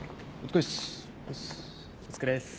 お疲れっす。